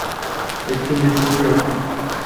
একটি মেসেজ দিয়ে রাখুন।